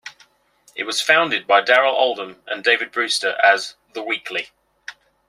It was founded by Darrell Oldham and David Brewster as "The Weekly".